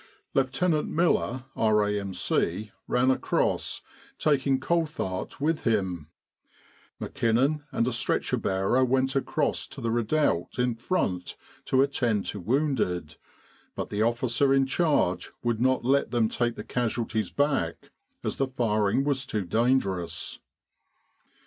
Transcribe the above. Lieutenant Miller, R.A.M.C., ran across, taking Colthart with him. McKinnon and a stretcher bearer went across to the redoubt in front to attend to wounded, but the officer in charge would not let them take the casualties back, as the firing was too dangerous.